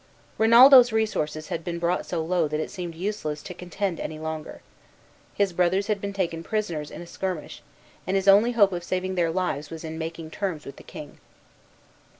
Rinaldo's resources had been brought so low that it seemed useless to contend any longer. His brothers had been taken prisoners in a skirmish, and his only hope of saving their lives was in making terms with the king.